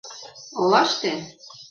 — Олаште?